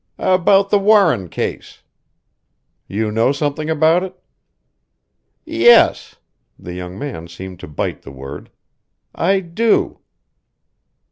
"About the Warren case." "You know something about it?" "Yes!" The young man seemed to bite the word. "I do."